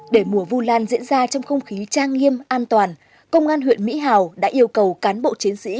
để mùa vu lan diễn ra trong không khí trang nghiêm an toàn công an huyện mỹ hào đã yêu cầu cán bộ chiến sĩ